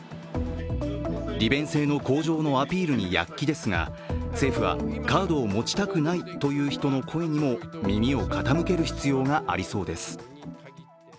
利便性の向上のアピールに躍起ですが、政府はカードを持ちたくないという人の声にも耳を傾ける必要がありそうです。